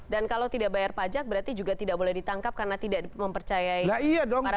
dan kalau tidak bayar pajak berarti juga tidak boleh ditangkap karena tidak mempercayai para